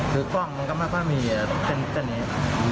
ถือกล้องนักกำลังประมาณมีเจนเจร็ญ